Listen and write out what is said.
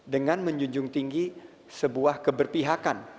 dengan menjunjung tinggi sebuah keberpihakan